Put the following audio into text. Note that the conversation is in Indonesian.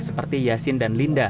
seperti yasin dan linda